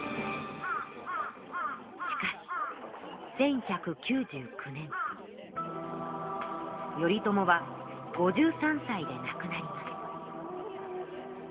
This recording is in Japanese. しかし１１９９年頼朝は５３歳で亡くなります。